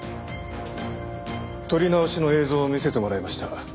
撮り直しの映像を見せてもらいました。